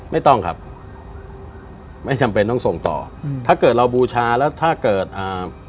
ไม่ต้องครับไม่จำเป็นต้องส่งต่ออืมถ้าเกิดเราบูชาแล้วถ้าเกิดอ่า